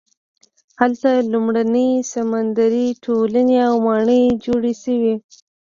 هلته لومړنۍ سمندري ټولنې او ماڼۍ جوړې شوې.